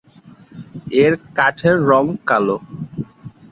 এর কাঠের রঙ কালো।